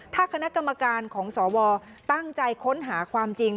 ถ้าคณะกรรมการของสวตั้งใจค้นหาความจริง